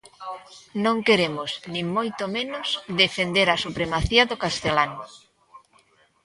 Non queremos, nin moito menos, defender a supremacía do castelán.